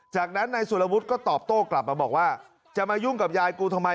จากนั้นนายสุรวุฒิก็ตอบโต้กลับมาบอกว่าจะมายุ่งกับยายกูทำไม